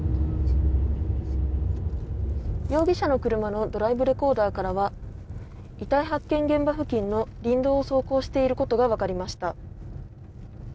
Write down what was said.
容疑者の車のドライブレコーダーからは遺体発見現場付近の林道を走行していることが分かりました。